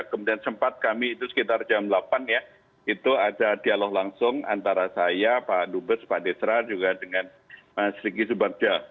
kemudian sempat kami itu sekitar jam delapan ya itu ada dialog langsung antara saya pak dubes pak desra juga dengan mas riki subarja